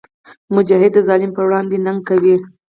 مجاهد د ظالم پر وړاندې ننګ کوي.